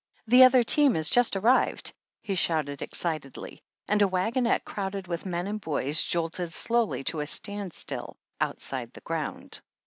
"The other team has just arrived," he shouted ex citedly, and a wagonette crowded with men and boys jolted slowly to a standstill outside the groimd.